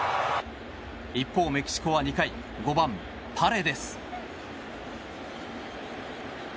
一方、メキシコは２回５番、パレデス。